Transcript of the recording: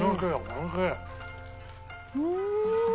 うん！